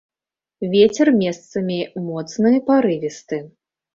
Вецер месцамі моцны парывісты.